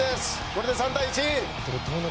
これで３対１。